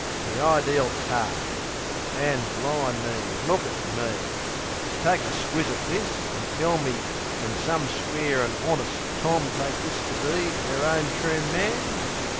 Me ideel tart!... An', bli'me, look at me! Jist take a squiz at this, an' tell me can Some square an' honist tom take this to be 'Er own true man?